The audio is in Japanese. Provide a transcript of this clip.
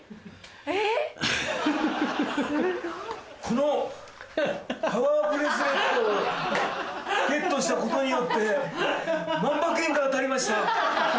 このパワーブレスレットをゲットしたことによって万馬券が当たりました。